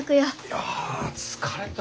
いやあ疲れた。